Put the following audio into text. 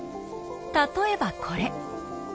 例えばこれ。